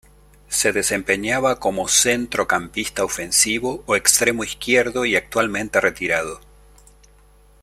Se desempeñaba como centrocampista ofensivo o extremo izquierdo y actualmente retirado.